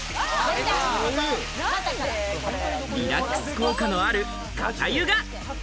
リラックス効果のある肩湯が。